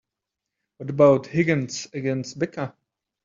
What about Higgins against Becca?